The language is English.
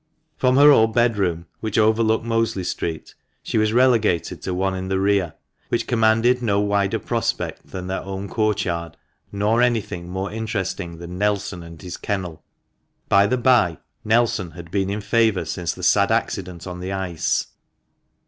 From her old bedroom, which overlooked Mosley Street, she was relegated to one in the rear, which commanded no wider prospect than their own courtyard, nor anything more interesting than Nelson and his kennel — by the bye, Nelson had been in favour since the sad accident on the ice.